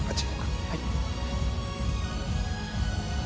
はい。